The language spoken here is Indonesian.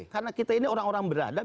karena kita ini orang orang beradab